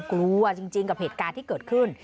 กลัวจริงกับเหตุการณ์ที่เกิดขึ้น